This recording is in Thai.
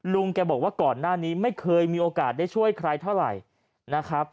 ลุงแกบอกว่าก่อนหน้านี้ไม่เคยมีโอกาสได้ช่วยใครเท่าไหร่นะครับ